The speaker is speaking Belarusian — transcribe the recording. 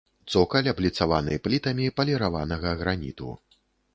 Цокаль абліцаваны плітамі паліраванага граніту.